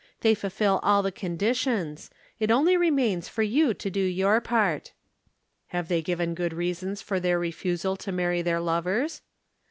They fulfil all the conditions. It only remains for you to do your part." "Have they given good reasons for their refusal to marry their lovers?"